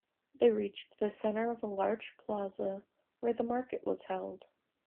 They reached the center of a large plaza where the market was held.